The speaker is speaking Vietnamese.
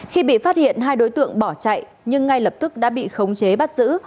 khi bị phát hiện hai đối tượng bỏ chạy nhưng ngay lập tức đã bị khống chế bắt giữ